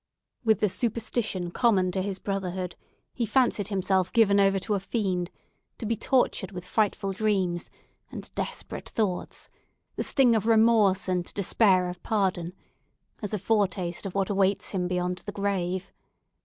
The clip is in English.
With the superstition common to his brotherhood, he fancied himself given over to a fiend, to be tortured with frightful dreams and desperate thoughts, the sting of remorse and despair of pardon, as a foretaste of what awaits him beyond the grave.